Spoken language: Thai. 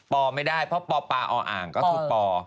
ปอร์ไม่ได้เพราะประอ่างก็พูดว่าปอร์